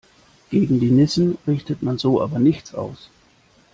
Gegen die Nissen richtet man so aber nichts aus.